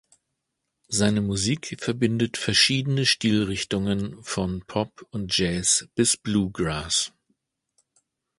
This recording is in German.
Seine Musik verbindet verschiedene Stilrichtungen von Pop und Jazz bis Bluegrass.